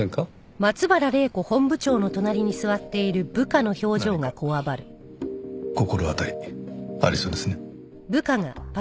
何か心当たりありそうですね。